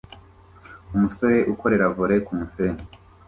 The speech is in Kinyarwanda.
Umusore ukorera volley kumusenyi